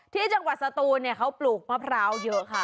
ที่จังหวัดสตูนเขาปลูกมะพร้าวเยอะค่ะ